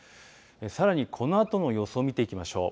さらに、このあとの予想を見ていきましょう。